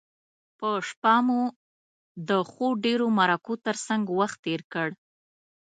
په شپه مو د ښو ډیرو مرکو تر څنګه وخت تیر کړ.